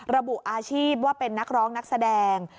ระบุอาชีพว่าเป็นนักร้องนักแสดง